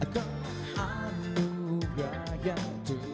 kau anugerah yang turut